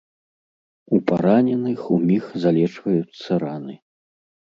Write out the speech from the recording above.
У параненых уміг залечваюцца раны.